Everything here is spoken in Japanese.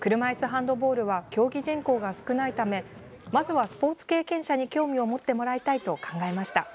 ハンドボールは競技人口が少ないためまずはスポーツ経験者に興味を持ってもらいたいと考えました。